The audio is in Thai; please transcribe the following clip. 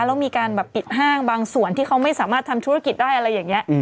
แล้วมีการแบบปิดห้างบางส่วนที่เขาไม่สามารถทำธุรกิจได้อะไรอย่างนี้